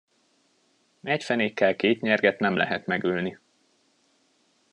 Egy fenékkel két nyerget nem lehet megülni.